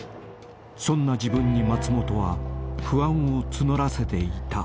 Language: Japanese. ［そんな自分に松本は不安を募らせていた］